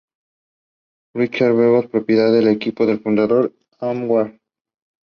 Richard DeVos, propietario del equipo, es el fundador de Amway.